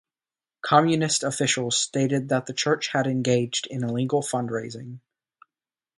Communist officials stated that the church had engaged in illegal fundraising.